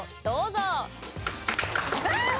どうぞ。